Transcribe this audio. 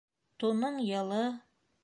Туның йылы.